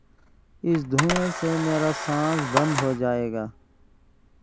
اس دھویں سے میرا سانس بند ہو جائے گا